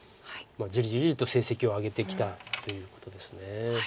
じりじりと成績を上げてきたということです。